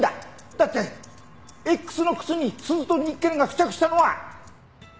だってＸの靴にスズとニッケルが付着したのは。